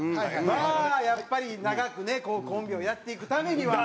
まあやっぱり長くねコンビをやっていくためには。